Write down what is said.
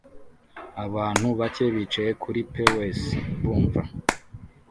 Abantu bake bicaye kuri pewes bumva